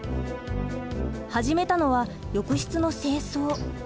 始めたのは浴室の清掃。